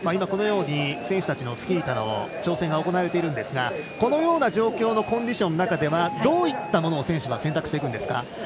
今、選手たちのスキー板の調整が行われていますがこのような状況のコンディションの中ではどういったものを選手は選択していくんですか。